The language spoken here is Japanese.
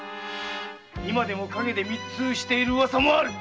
今でも陰で密通している噂もある！